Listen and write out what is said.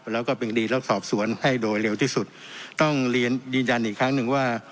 แล้วก็เป็นดีแล้วสอบสวนให้โดยเร็วที่สุดต้องเรียนยืนยันอีกครั้งหนึ่งว่า